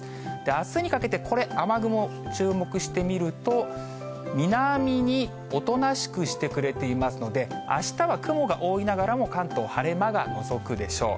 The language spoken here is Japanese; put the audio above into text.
あすにかけてこれ、雨雲、注目してみると、南におとなしくしてくれていますので、あしたは雲が多いながらも、関東、晴れ間がのぞくでしょう。